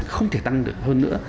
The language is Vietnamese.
không thể tăng được hơn nữa